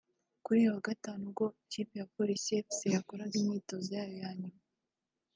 Kuri uyu wa Gatanu ubwo ikipe ya Police Fc yakoraga imyitozo yayo ya nyuma